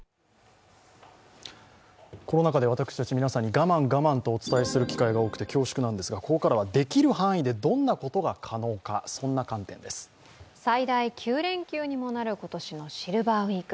コロナ禍で私たち、皆さんに、我慢、我慢とお伝えして恐縮なのですがここからはできる範囲でどんなことが可能か最大９連休にもなる今年のシルバーウイーク。